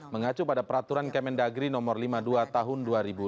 mengacu pada peraturan kemendagri no lima puluh dua tahun dua ribu dua puluh